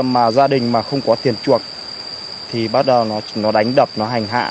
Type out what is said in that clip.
mà gia đình mà không có tiền chuộc thì bắt đầu nó đánh đập nó hành hạ